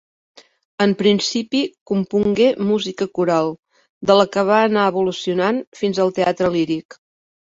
En principi compongué música coral, de la que va anar evolucionant fins al teatre líric.